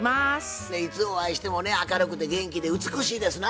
いつお会いしてもね明るくて元気で美しいですな。